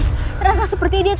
semoga mer instant